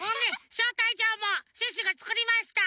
しょうたいじょうもシュッシュがつくりました。